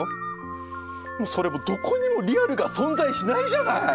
それもうどこにもリアルが存在しないじゃない！